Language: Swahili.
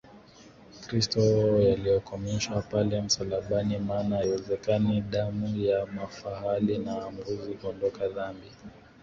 Kristo yalikomeshwa pale msalabani Maana haiwezekani damu ya mafahali na mbuzi kuondoa dhambi